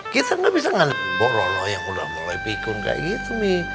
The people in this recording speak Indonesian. kita nggak bisa kan boro noro yang udah mulai pikun kayak gitu mi